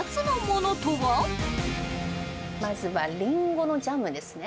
まずはリンゴのジャムですね。